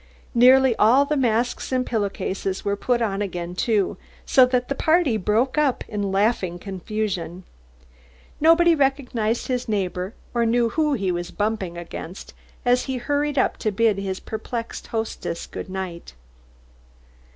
Nearly all the masks and pillow cases were put on again, too, so that the party broke up in laughing confusion. Nobody recognised his neighbour or knew who he was bumping against as he hurried up to bid his perplexed hostess good night.